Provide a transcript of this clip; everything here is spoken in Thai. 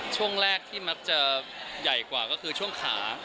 ช่วงแรกที่มักจะใหญ่กว่าก็คือช่วงขา